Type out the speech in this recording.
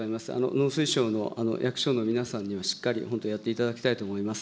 農水省の役所の皆さんには、しっかり本当、やっていただきたいと思います。